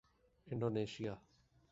Indonesia